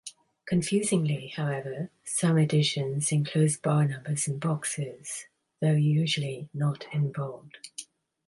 Confusingly, however, some editions enclose bar numbers in boxes, though usually not in bold.